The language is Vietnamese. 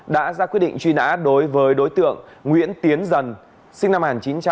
đã ra quyết định truy nã đối với đối tượng nguyễn tiến dần sinh năm một nghìn chín trăm tám mươi